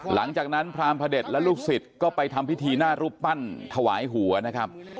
พรามพระเด็จและลูกศิษย์ก็ไปทำพิธีหน้ารูปปั้นถวายหัวนะครับ